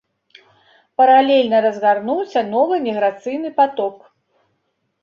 Паралельна разгарнуўся новы міграцыйны паток.